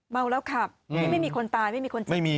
เมาแล้วขับที่ไม่มีคนตายไม่มีคนเจ็บ